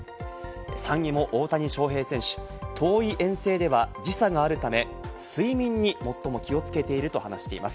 ３位も大谷翔平選手、遠い遠征では時差があるため、睡眠に最も気をつけていると話しています。